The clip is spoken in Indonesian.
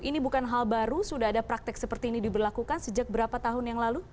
ini bukan hal baru sudah ada praktek seperti ini diberlakukan sejak berapa tahun yang lalu